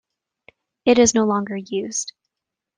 It is no longer used.